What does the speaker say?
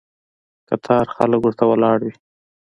قطار خلک ورته ولاړ وي.